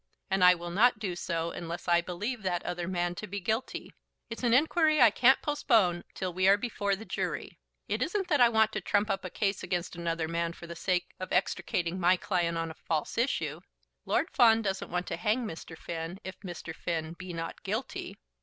And I will not do so unless I believe that other man to be guilty. It's an inquiry I can't postpone till we are before the jury. It isn't that I want to trump up a case against another man for the sake of extricating my client on a false issue. Lord Fawn doesn't want to hang Mr. Finn if Mr. Finn be not guilty."